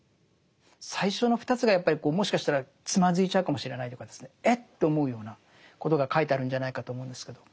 最初の２つがやっぱりもしかしたらつまずいちゃうかもしれないというかえっ？と思うようなことが書いてあるんじゃないかと思うんですけど。